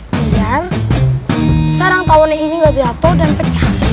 biar sarang tawonnya ini gak jatuh dan pecah